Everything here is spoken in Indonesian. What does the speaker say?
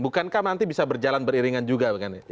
bukankah nanti bisa berjalan beriringan juga